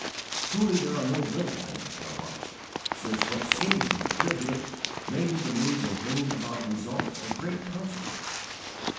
_ Truly there are no little things in our life, since what seems to be trivial may be the means of bringing about results of great consequence.